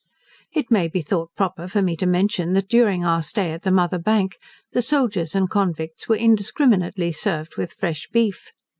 It may be thought proper for me to mention, that during our stay at the Mother Bank, the soldiers and convicts were indiscriminately served with fresh beef.